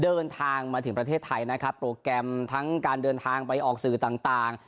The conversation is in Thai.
เดินทางมาถึงประเทศไทยนะครับโปรแกรมทั้งการเดินทางไปออกสื่อต่าง